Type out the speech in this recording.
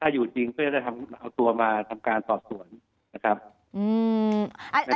แต่อยู่จริงได้จะเป็นจากตัวมาทำการตอบส่วน